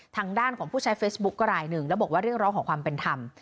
ทางด้านของผู้ใช้เฟซบุ๊กก็รายหนึ่งแล้วบอกว่าเรียกร้องของความเป็นธรรม